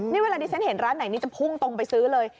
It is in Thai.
นี่เวลาดิฉันเห็นร้านไหนนี่จะพุ่งตรงไปซื้อเลย